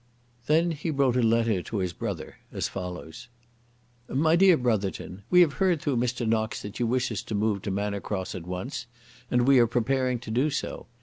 Then he wrote a letter to his brother; as follows; "MY DEAR BROTHERTON, We have heard through Mr. Knox that you wish us to move to Manor Cross at once, and we are preparing to do so.